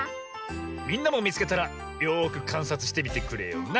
みんなもみつけたらよくかんさつしてみてくれよな。